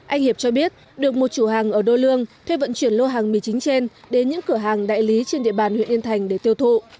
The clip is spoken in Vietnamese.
anh hiệp cho biết được một chủ hàng ở đô lương thuê vận chuyển lô hàng mì chính trên đến những cửa hàng đại lý trên địa bàn huyện yên thành để tiêu thụ